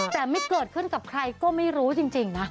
แต่ไม่เกิดขึ้นกับใครก็ไม่รู้จริงนะ